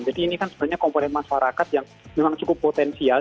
jadi ini kan sebenarnya komponen masyarakat yang memang cukup potensial